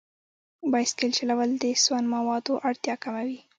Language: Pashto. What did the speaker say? بایسکل چلول د سون موادو اړتیا کموي.